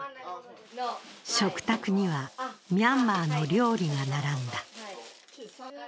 食卓にはミャンマーの料理が並んだ。